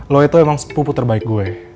lo itu emang sepupu terbaik gue